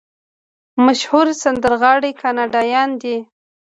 مشهور سندرغاړي کاناډایان دي.